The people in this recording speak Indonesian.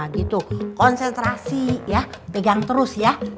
gitu konsentrasi ya pegang terus ya